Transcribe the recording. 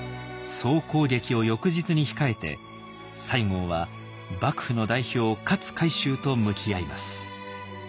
総攻撃を翌日に控えて西郷は幕府の代表勝海舟と向き合います。